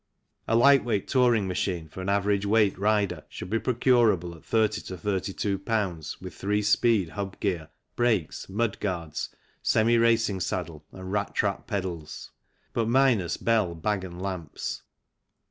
A light weight touring machine for an average weight rider should be procurable at 30 to 32 Ibs. with three speed hub gear, brakes, mudguards, semi racing saddle, and rat trap pedals, but minus bell, bag, and lamps.